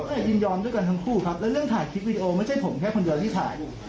แต่ยินยอมด้วยกันทั้งคู่ครับแล้วเรื่องถ่ายคลิปวิดีโอไม่ใช่ผมแค่คนเดียวที่ถ่าย